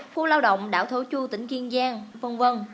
khu lao động đảo thổ chu tỉnh kiên giang v v